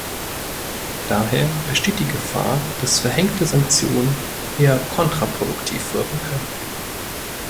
Daher besteht die Gefahr, dass verhängte Sanktionen eher kontraproduktiv wirken können.